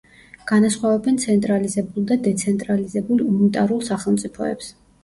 განასხვავებენ ცენტრალიზებულ და დეცენტრალიზებულ უნიტარულ სახელმწიფოებს.